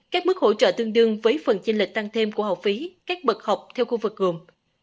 các mức hỗ trợ tương đương với phần chinh lịch tăng thêm của học phí các bậc học theo khu vực gồm